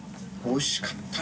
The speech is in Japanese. おいしかった。